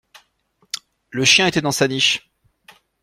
Le chien était dans sa niche.